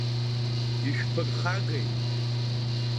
Ишәԥырхагеи?